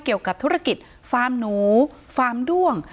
เกี่ยวกับธุรกิจฟาร์มหนูฟาร์มด้วง